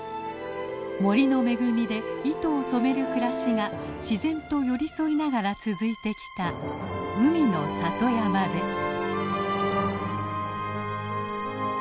森の恵みで糸を染める暮らしが自然と寄り添いながら続いてきた海の里山です。